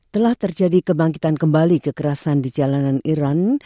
telah terjadi kebangkitan kembali kekerasan di jalanan iran